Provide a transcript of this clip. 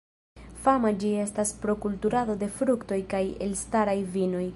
Fama ĝi estas pro kulturado de fruktoj kaj elstaraj vinoj.